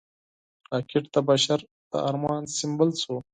راکټ د بشر د ارمان سمبول شو